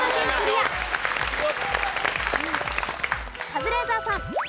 カズレーザーさん。